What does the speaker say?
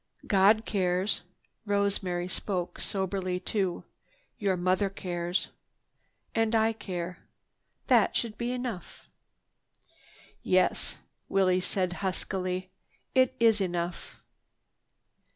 "God cares." Rosemary spoke soberly, too. "Your mother cares, and I care. That should be enough." "Yes," said Willie huskily, "it is enough."